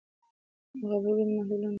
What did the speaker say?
نو غبرګون به محدود، لنډمهالی او بېنظمه وای؛